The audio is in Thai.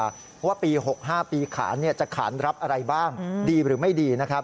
เพราะว่าปี๖๕ปีขาจะขานรับอะไรบ้างดีหรือไม่ดี